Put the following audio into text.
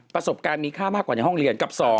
ประสบการณ์มีค่ามากกว่าในห้องเรียนกับ๒